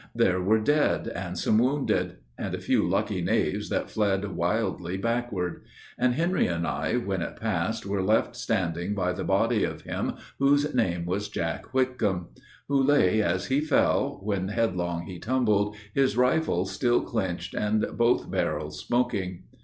There were dead and some wounded, And a few lucky knaves that fled wildly backward; And Henry and I, when it passed, were left standing By the body of him whose name was Jack Whitcomb, Who lay as he fell, when headlong he tumbled, His rifle still clinched and both barrels smoking.